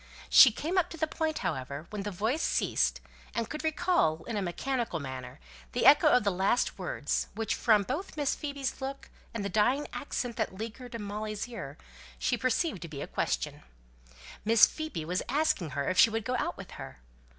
She came up to the point, however, when the voice ceased; and could recall, in a mechanical manner, the echo of the last words, which both from Miss Phoebe's look, and the dying accent that lingered in Molly's ear, she perceived to be a question. Miss Phoebe was asking her if she would go out with her.